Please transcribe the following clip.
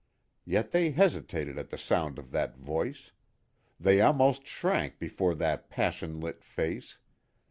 Yet they hesitated at the sound of that voice. They almost shrank before that passion lit face.